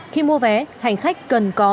khi mua vé hành khách cần có